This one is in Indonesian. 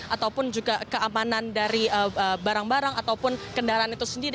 ataupun juga keamanan dari barang barang ataupun kendaraan itu sendiri